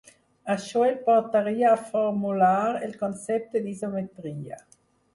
Això el portaria a formular el concepte d'isometria.